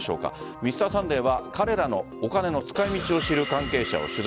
「Ｍｒ．サンデー」は彼らのお金の使い道を知る関係者を取材。